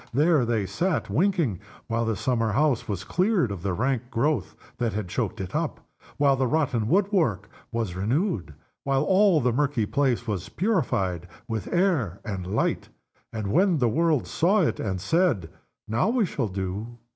There they sat winking, while the summer house was cleared of the rank growth that had choked it up, while the rotten wood work was renewed, while all the murky place was purified with air and light. And when the world saw it, and said, "Now we shall do!"